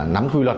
nắm quy luật